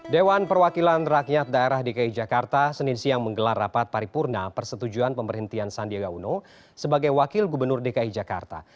dewan perwakilan rakyat daerah dki jakarta senin siang menggelar rapat paripurna persetujuan pemberhentian sandiaga uno sebagai wakil gubernur dki jakarta